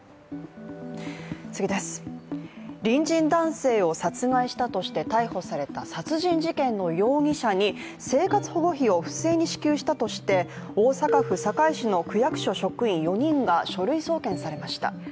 隣人男性を殺害したとして逮捕された殺人事件の容疑者に、生活保護費を不正に支給したとして大阪府堺市の区役所職員４人が書類送検されました。